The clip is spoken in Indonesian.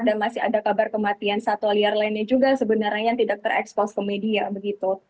dan masih ada kabar kematian satwa liar lainnya juga sebenarnya tidak terekspos ke media begitu